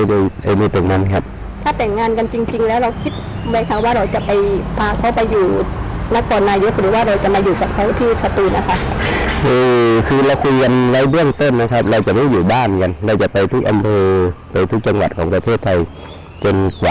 อีกประมาณ๑๐๐กิโลเมตรถึงนี่ตื่นเต้นมากขึ้นกว่าเดินไหมคะ